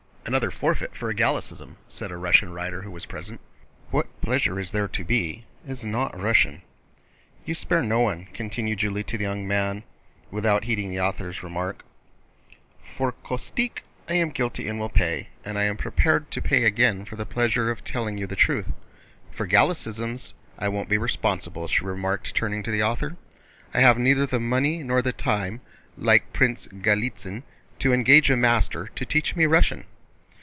"Another forfeit for a Gallicism," said a Russian writer who was present. "'What pleasure is there to be' is not Russian!" "You spare no one," continued Julie to the young man without heeding the author's remark. "For caustique—I am guilty and will pay, and I am prepared to pay again for the pleasure of telling you the truth. For Gallicisms I won't be responsible," she remarked, turning to the author: "I have neither the money nor the time, like Prince Galítsyn, to engage a master to teach me Russian!"